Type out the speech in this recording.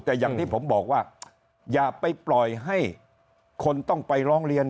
แต่อย่างที่ผมบอกว่าอย่าไปปล่อยให้คนต้องไปร้องเรียน